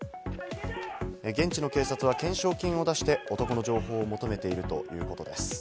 現地の警察は懸賞金を出した男の情報を求めているということです。